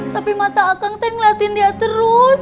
tapi mata akang tuh ngeliatin dia terus